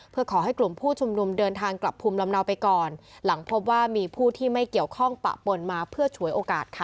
เพื่อขอให้กลุ่มผู้ชุมนุมเดินทางกลับภูมิลำเนาไปก่อนหลังพบว่ามีผู้ที่ไม่เกี่ยวข้องปะปนมาเพื่อฉวยโอกาสค่ะ